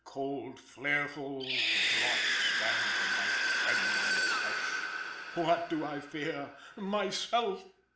Cold, flareful drops stand on my trembling flesh. What do I fear? Myself!